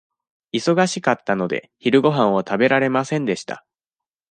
忙しかったので、昼ごはんを食べられませんでした。